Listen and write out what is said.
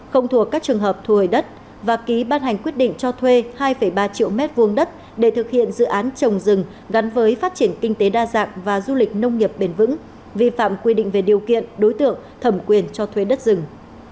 không thuộc các trường hợp thu hồi đất và ký ban hành quyết định cho thuê hai ba triệu m hai đất để thực hiện dự án trồng rừng gắn với phát triển kinh tế đa dạng và du lịch nông nghiệp bền vững vi phạm quy định về điều kiện đối tượng thẩm quyền cho thuê đất rừng